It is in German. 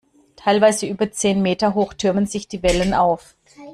Teilweise über zehn Meter hoch türmen sich die Wellen auf.